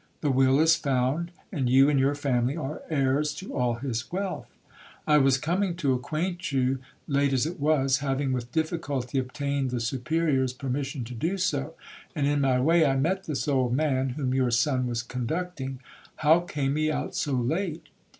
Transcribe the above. The will is found, and you and your family are heirs to all his wealth. I was coming to acquaint you, late as it was, having with difficulty obtained the Superior's permission to do so, and in my way I met this old man, whom your son was conducting,—how came he out so late?'